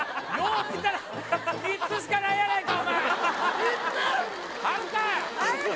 う見たら３つしかないやないかお前３つ？